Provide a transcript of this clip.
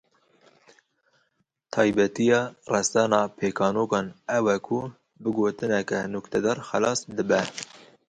Taybetiya resen a pêkenokan ew e ku bi gotineke nuktedar xilas dibe.